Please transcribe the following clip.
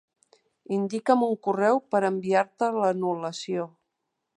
Indica'm un correu per enviar-te l'anul·lació.